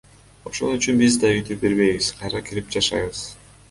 Ошону үчүн биз да үйдү бербейбиз, кайра кирип жашайбыз.